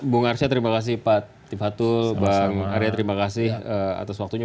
bu ngarcia terima kasih pak tiefatul bang arya terima kasih atas waktunya